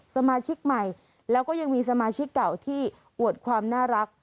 สมาชิกใหม่แล้วก็ยังมีสมาชิกเก่าที่อวดความน่ารัก